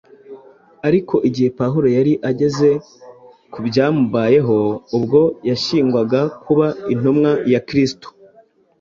ariko igihe Pawulo yari ageze ku byamubayeho ubwo yashyingwaga kuba intumwa ya Kristo